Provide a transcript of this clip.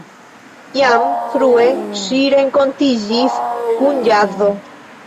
Jam frue ŝi renkontiĝis kun ĵazo.